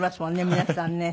皆さんね。